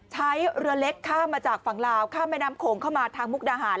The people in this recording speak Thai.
ใช้เรือเล็กข้ามมาจากฝั่งลาวข้ามแม่น้ำโขงเข้ามาทางมุกดาหาร